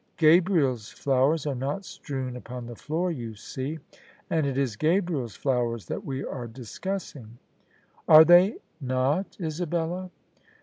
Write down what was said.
Gabriel's flowers are not strewn upon the floor, you see: and it is Gabriel's flowers that we are discussing." "Are they not, Isabella?